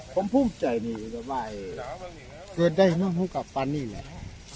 ผมภูมิใจดีกว่าเกิดได้เนอะภูมิกับปันนี้แหละ